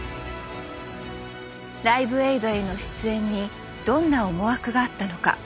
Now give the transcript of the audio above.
「ライブエイド」への出演にどんな思惑があったのか。